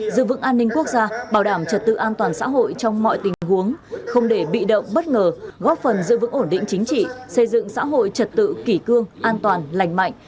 giữ vững an ninh quốc gia bảo đảm trật tự an toàn xã hội trong mọi tình huống không để bị động bất ngờ góp phần giữ vững ổn định chính trị xây dựng xã hội trật tự kỷ cương an toàn lành mạnh